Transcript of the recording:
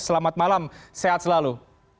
selamat malam sehat selalu